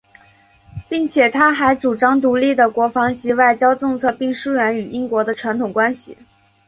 并且他还主张独立的国防及外交政策并疏远与英国的传统关系。